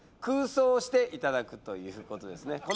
空想していただくということですね